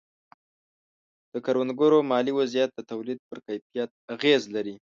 د کروندګرو مالي وضعیت د تولید پر کیفیت اغېز لري.